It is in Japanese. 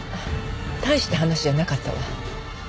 大した話じゃなかったわ。